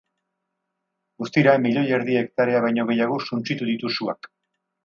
Guztira, milioi erdi hektarea baino gehiago suntsitu ditu suak.